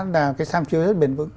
là cái sam chiếu rất bền vững